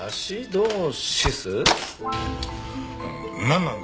なんなんだ？